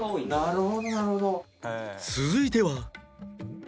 続いては